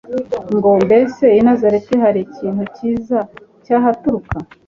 ngo : «Mbese I Nazareti hari ikintu cyiza cyahaturuka?»